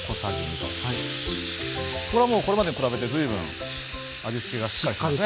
これはもうこれまでに比べて随分味付けがしっかり。